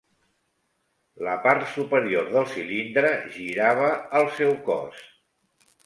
La part superior del cilindre girava al seu cos.